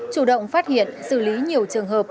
chủ động phát hiện xử lý nhiều trường hợp